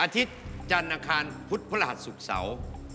อทศจันทร์อังคารพุธพระหัสสุขเสา